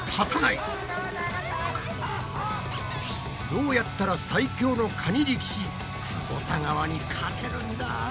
どうやったら最強のカニ力士くぼた川に勝てるんだ？